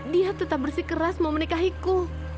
dia tetap bersikeras memenikahiku